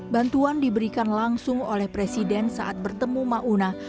bantuan diberikan langsung oleh presiden saat bertemu maunah